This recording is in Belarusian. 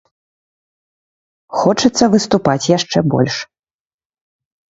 Хочацца выступаць яшчэ больш.